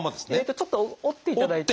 ちょっと折っていただいて。